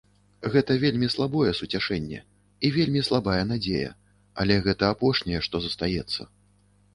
Гэта вельмі слабое суцяшэнне і вельмі слабая надзея, але гэта апошняе, што застаецца.